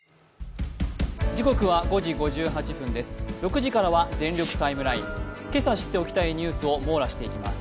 ６時からは「全力タイムライン」、今朝知っておきたいニュースを網羅していきます。